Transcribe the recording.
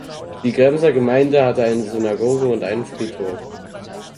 Die Kremser Gemeinde hatte eine Synagoge und einen Friedhof.